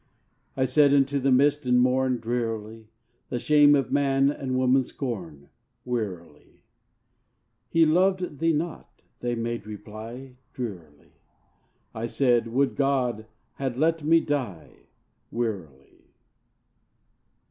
I said unto the mist and morn, Drearily: "The shame of man and woman's scorn." (Wearily.) "He loved thee not," they made reply. Drearily. I said, "Would God had let me die!" (Wearily.)